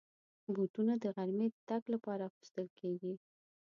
بوټونه د غرمې د تګ لپاره اغوستل کېږي.